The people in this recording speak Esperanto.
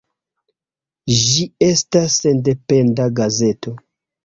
Ĝi estas sendependa gazeto.